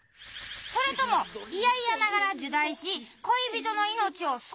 それともいやいやながら入内し恋人の命を救うのか！